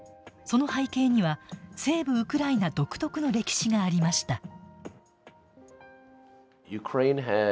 その背景には西部ウクライナ独特の歴史がありました。